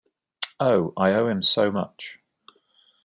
Oh, I owe him so much.